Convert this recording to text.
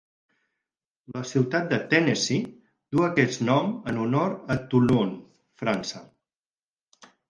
La ciutat de Tennessee du aquest nom en honor a Toulon, França.